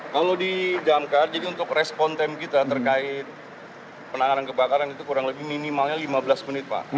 kalau di damkar jadi untuk respon time kita terkait penanganan kebakaran itu kurang lebih minimalnya lima belas menit pak